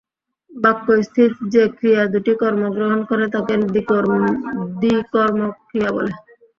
বাক্যস্থিত যে ক্রিয়া দুটি কর্ম গ্রহণ করে তাকে দ্বিকর্মক ক্রিয়া বলে।